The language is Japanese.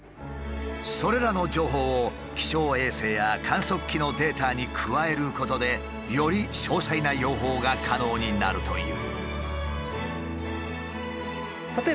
それらの情報を気象衛星や観測器のデータに加えることでより詳細な予報が可能になるという。